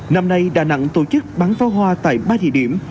năm nay đà nẵng tổ chức bán pháo hoa tại ba thị điểm